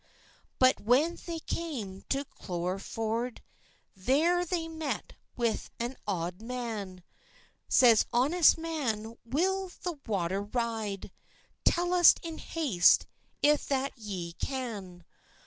But when they came to Cholerford, There they met with an auld man; Says, "Honest man, will the water ride? Tell us in haste, if that ye can."